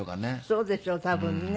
そうでしょう多分ね。